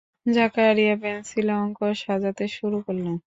জাকারিয়া পেন্সিলে অঙ্ক সাজাতে শুরু করলেন।